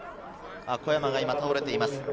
小山が倒れています。